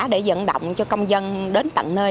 để dẫn động cho công dân đến tận nơi